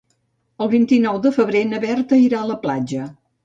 El vint-i-nou de febrer na Berta irà a la platja.